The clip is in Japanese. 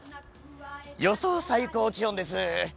予想最高気温です。